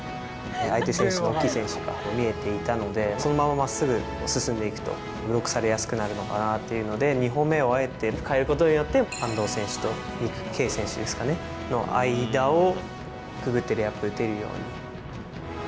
相手の大きい選手が見えていたので、そのまままっすぐ進んでいくと、ブロックされやすくなるのかなということで、２歩目をあえて変えることによって、安藤選手とニックケイ選手ですかね、その間をくぐってレイアップ打てるように。